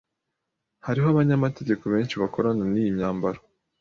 Hariho abanyamategeko benshi bakorana niyi myambaro.